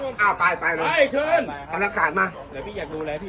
คุณตายแล้วมั้ยโดนจิตซ่อยนี่น้ายอ้าวอ้าวไปไป